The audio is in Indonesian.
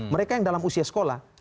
mereka yang dalam usia sekolah